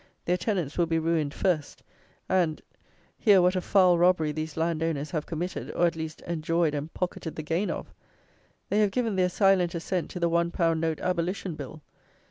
Their tenants will be ruined first: and, here what a foul robbery these landowners have committed, or at least, enjoyed and pocketed the gain of! They have given their silent assent to the one pound note abolition Bill.